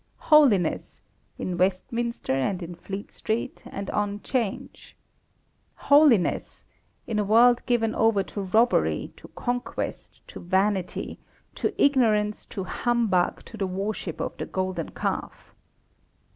Holiness! In Westminster, and in Fleet Street, and on 'Change. Holiness! In a world given over to robbery, to conquest, to vanity, to ignorance, to humbug, to the worship of the golden calf.